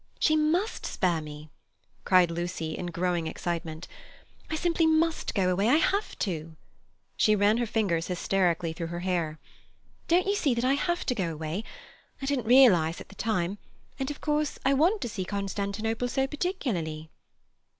"She must spare me!" cried Lucy, in growing excitement. "I simply must go away. I have to." She ran her fingers hysterically through her hair. "Don't you see that I have to go away? I didn't realize at the time—and of course I want to see Constantinople so particularly."